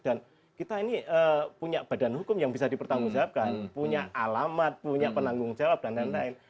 dan kita ini punya badan hukum yang bisa dipertanggungjawabkan punya alamat punya penanggung jawab dan lain lain